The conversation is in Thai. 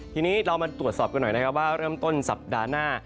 ทีนี้เรามาตรวจสอบกันหน่อยนะครับว่าเริ่มต้นสัปดาห์หน้า